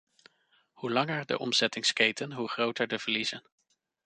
Hoe langer de omzettingsketen, hoe groter de verliezen.